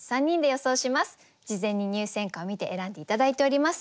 事前に入選歌を見て選んで頂いております。